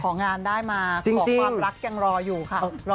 งานได้มาขอความรักยังรออยู่ค่ะ